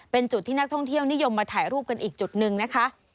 เป็นจุดที่นักท่องเที่ยวนิยมมาถ่ายรูปกันอีกจุดหนึ่งนะคะ